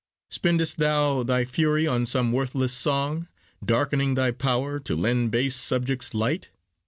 Spend'st thou thy fury on some worthless song, Darkening thy power to lend base subjects light?